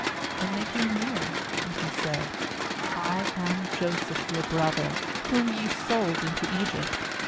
And they came near. And he said: 'I am Joseph your brother, whom ye sold into Egypt.